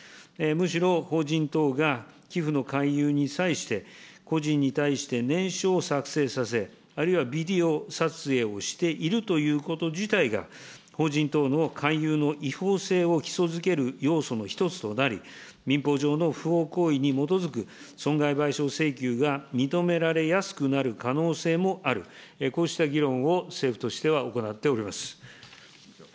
むしろ法人等が寄付の勧誘に際して、個人に対して念書を作成させ、あるいはビデオ撮影をしているということ自体が、法人等の勧誘の違法性を基礎づける要素の一つとなり、民法上の不法行為に基づく、損害賠償請求が認められやすくなる可能性もある、こうした議論を政府としては行っております。